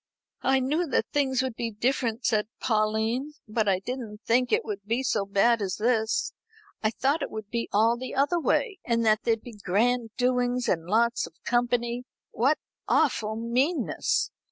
"I knew that things would be different," said Pauline, "but I didn't think it would be so bad as this. I thought it would be all the other way, and that there'd be grand doings and lots of company. What awful meanness!